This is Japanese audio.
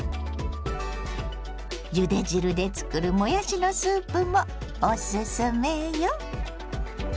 ゆで汁で作るもやしのスープもおすすめよ。